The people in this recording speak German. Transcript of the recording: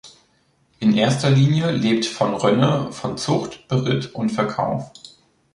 In erster Linie lebt von Rönne von Zucht, Beritt und Verkauf.